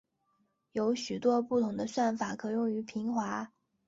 有许多不同的算法可用于平滑。